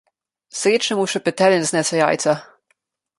Srečnemu še petelin znese jajca.